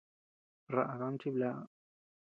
Raʼa dami chiblaʼa.